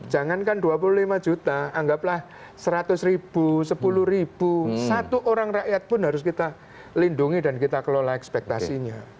jangankan dua puluh lima juta anggaplah seratus ribu sepuluh ribu satu orang rakyat pun harus kita lindungi dan kita kelola ekspektasinya